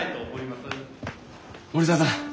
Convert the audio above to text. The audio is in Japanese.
森澤さん